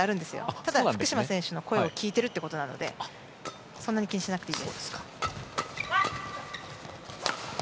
ただ、福島選手の声を聞いてるってことなのでそんなに気にしなくていいです。